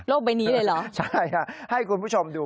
ใบนี้เลยเหรอใช่ค่ะให้คุณผู้ชมดู